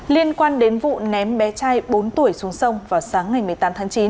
liên quan đến vụ ném bé trai bốn tuổi xuống sông vào sáng ngày một mươi tám h